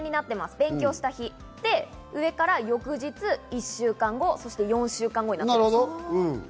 勉強した日、上から翌日、１週間後、そして４週間後になっています。